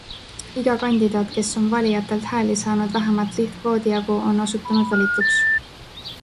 Iga kandidaat, kes on valijatelt hääli saanud vähemalt lihtkvoodi jagu, on osutunud valituks.